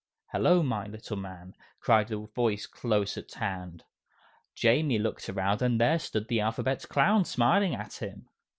"Hello, my little man!" cried a voice close at hand. Jamie looked around and there stood the Alphabet Clown smiling at him.